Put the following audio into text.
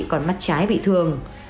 còn mắt trái bị thương